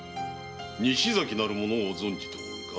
西崎なる者を存じておるか？